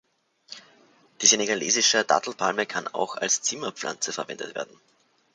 Die Senegalesische Dattelpalme kann auch als Zimmerpflanze verwendet werden.